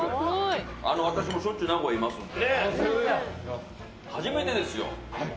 私もしょっちゅう名古屋いますんで。